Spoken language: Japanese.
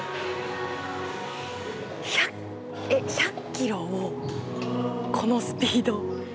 １００ｋｇをこのスピード。